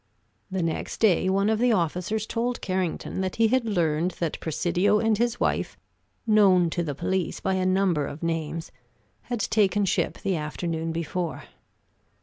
The next day one of the officers told Carrington that he had learned that Presidio and his wife, known to the police by a number of names, had taken ship the afternoon before.